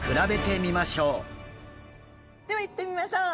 ではいってみましょう。